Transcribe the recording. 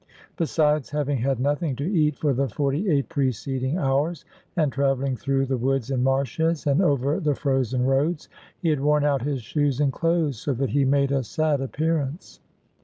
Besides having had nothing to eat for the forty eight preceding hours, and travelling through the woods and marshes, and over the frozen roads, he had worn out his shoes and clothes, so that he made a sad appearance.